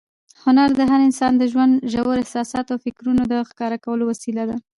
هنر د انسان د ژوند ژورو احساساتو او فکرونو د ښکاره کولو وسیله ده.